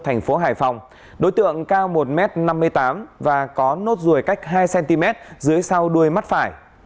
thành phố hải phòng đối tượng cao một m năm mươi tám và có nốt ruồi cách hai cm dưới sau đuôi mắt phải